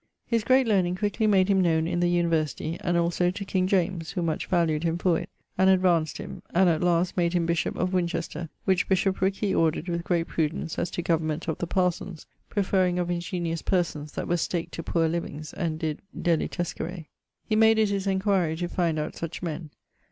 His great learning quickly made him known in the university, and also to King James, who much valued him for it, and advanced him, and at last made him bishop of Winchester, which bishoprick he ordered with great prudence as to government of the parsons, preferring of ingeniose persons that were staked to poore livings and did delitescere. He made it his enquiry to find out such men.